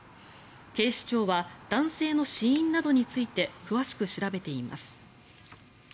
警視庁は男性の死因などについて詳しく調べています。